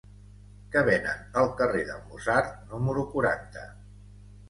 Què venen al carrer de Mozart número quaranta?